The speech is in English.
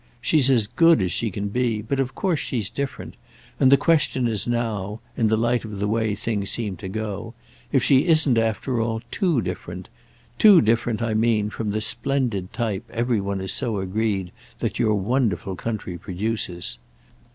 She's as good as she can be, but of course she's different, and the question is now—in the light of the way things seem to go—if she isn't after all too different: too different I mean from the splendid type every one is so agreed that your wonderful country produces.